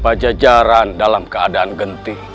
pada jajaran dalam keadaan gentih